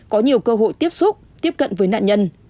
có nhiều cơ hội tiếp xúc tiếp cận với nạn nhân